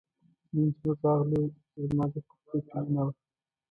نن چې موږ راغلو زما د کوټې کیلي نه وه.